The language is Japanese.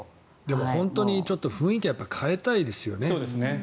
本当に雰囲気を変えたいですよね。